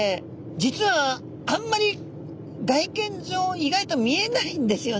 実はあんまり外見上意外と見えないんですよね。